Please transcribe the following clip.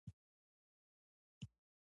دا غر دی